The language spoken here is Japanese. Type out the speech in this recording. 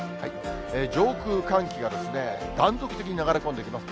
上空、寒気が断続的に流れ込んできます。